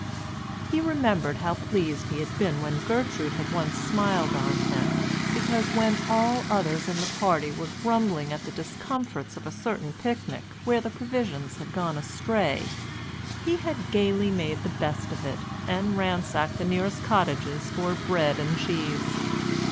He remembered how pleased he had been when Gertrude had once smiled on him because, when all the others in the party were grumbling at the discomforts of a certain picnic where the provisions had gone astray, he had gaily made the best of it and ransacked the nearest cottages for bread and cheese.